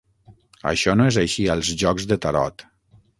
Això no és així als jocs de tarot.